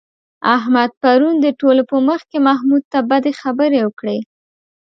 احمد پرون د ټولو په مخ کې محمود ته بدې خبرې وکړې.